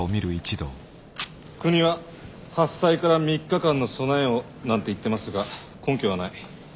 国は「発災から３日間の備えを」なんて言ってますが根拠はない。